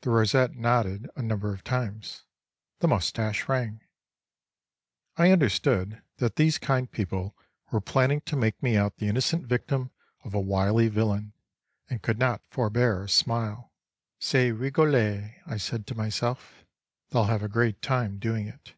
The rosette nodded a number of times. The moustache rang. I understood that these kind people were planning to make me out the innocent victim of a wily villain, and could not forbear a smile. C'est rigolo, I said to myself; they'll have a great time doing it.